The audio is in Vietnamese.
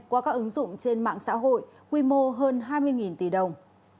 qua các ứng dụng trên mạng xã hội quy mô hơn hai mươi tỷ đồng